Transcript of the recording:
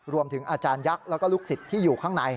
อาจารยักษ์แล้วก็ลูกศิษย์ที่อยู่ข้างใน